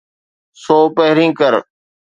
سو پهرين ڪر.